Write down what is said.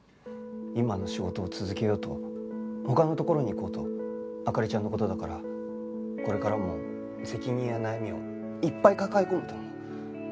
今の仕事を続けようと他のところに行こうと灯ちゃんの事だからこれからも責任や悩みをいっぱい抱え込むと思う。